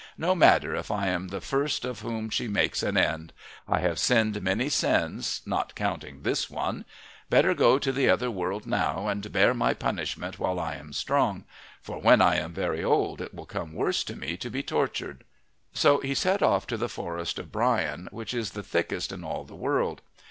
No matter if I am the first of whom she makes an end. I have sinned many sins, not counting this one. Better go to the other world now and bear my punishment while I am strong, for when I am very old it will come worse to me to be tortured." So he set off to the forest of Brian, which is the thickest in all the world.